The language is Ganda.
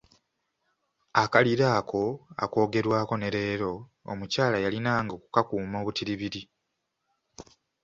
Akalira ako akoogerwako ne leero, omukyala yalinanga okukakuuma obutibiri.